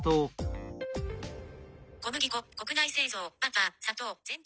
「小麦粉国内製造バター砂糖全卵」。